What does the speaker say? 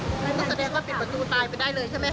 ก็แสดงว่าปิดประตูตายไปได้เลยใช่ไหม